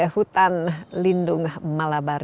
hutan lindung malabar